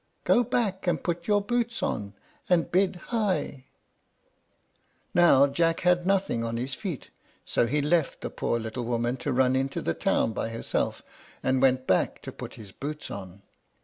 Go back and put your boots on, and bid high." Now Jack had nothing on his feet, so he left the poor little woman to run into the town by herself, and went back to put his boots on.